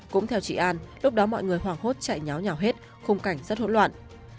cũng theo chị an lúc đó mọi người hoảng hốt chạy nháo nhào hết khung cảnh rất hỗn loạn